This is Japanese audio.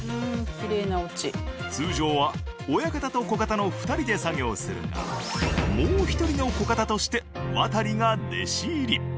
通常は親方と子方の２人で作業するがもう一人の子方としてワタリが弟子入り。